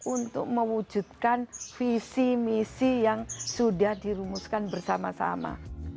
untuk mewujudkan visi misi yang sudah dirumuskan bersama sama